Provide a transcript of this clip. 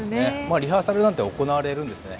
リハーサルなんて行われるんですね。